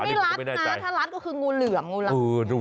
มันไม่ลัดนะถ้าลัดก็คืองูเหลือง